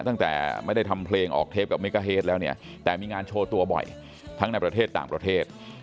ตั้งแต่ไม่ได้ทำเพลงออกเทปกับเมกาเฮดแล้วเนี่ยแต่มีงานโชว์ตัวบ่อยทั้งในประเทศต่างประเทศ